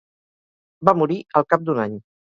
Va morir al cap d'un any.